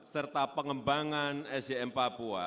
serta pengembangan sgm papua